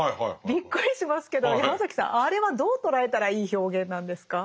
びっくりしますけどヤマザキさんあれはどう捉えたらいい表現なんですか？